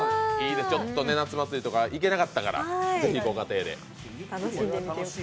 夏祭りとか行けなかったから、ぜひご家庭で。